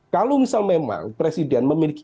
kalau misal memang presiden memiliki